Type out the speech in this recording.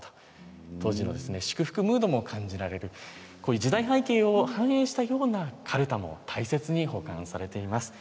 当時の祝福ムードも感じられる時代背景を反映したようなカルタも大切に保管されています。